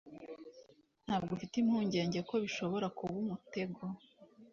Ntabwo ufite impungenge ko bishobora kuba umutego?